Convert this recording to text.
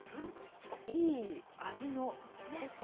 いい味の濃さ